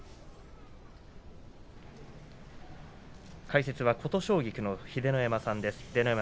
解説は琴奨菊の秀ノ山さんです。